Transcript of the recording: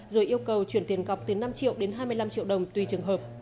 rồi yêu cầu chuyển tiền gọc tiền năm triệu đến hai mươi năm triệu đồng tùy trường hợp